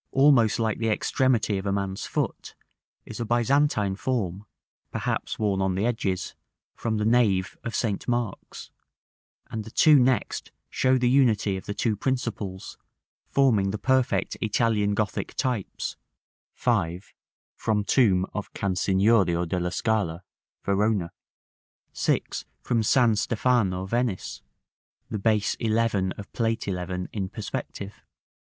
almost like the extremity of a man's foot, is a Byzantine form (perhaps worn on the edges), from the nave of St. Mark's; and the two next show the unity of the two principles, forming the perfect Italian Gothic types, 5, from tomb of Can Signorio della Scala, Verona; 6, from San Stefano, Venice (the base 11 of Plate XI., in perspective).